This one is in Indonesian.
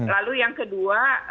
lalu yang kedua